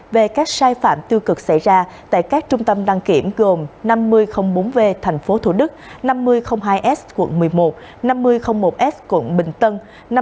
về các sai phạm tiêu cực xảy ra tại các trung tâm đăng kiểm gồm năm mươi bốn v tp th năm mươi hai s quận một mươi một năm mươi một s quận bình tân